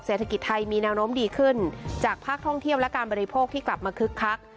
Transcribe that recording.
เศรษฐกิจไทยมีแนวโน้มดีขึ้นจากภาคท่องเที่ยวและการบริโภคที่กลับมาคึกคัก